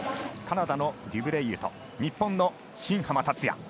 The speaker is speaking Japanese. カナダのデュブレイユと日本の新濱立也。